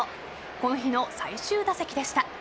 この日の最終打席でした。